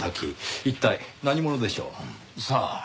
一体何者でしょう？さあ。